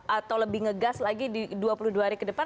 atau lebih ngegas lagi di dua puluh dua hari ke depan